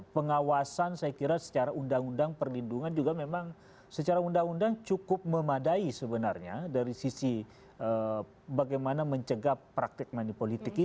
pengawasan saya kira secara undang undang perlindungan juga memang secara undang undang cukup memadai sebenarnya dari sisi bagaimana mencegah praktek manipolitik ini